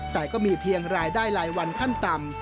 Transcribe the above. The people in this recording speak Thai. แต่ก็มีเพียงรายได้รายวันขั้นต่ำ